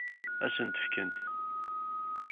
Ad sen-t-fkent?